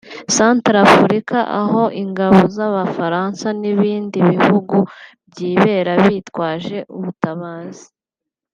Centrafrique aho ingabo z’Abafaransa n’ibindi bihugu byibera bitwaje ubutabazi